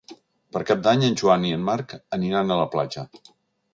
Per Cap d'Any en Joan i en Marc aniran a la platja.